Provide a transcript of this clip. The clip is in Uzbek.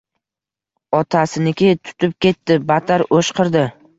Otasiniki tutib ketdi, battar o‘shqirdi